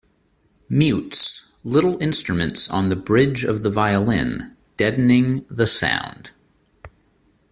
Mutes little instruments on the bridge of the violin, deadening the sound.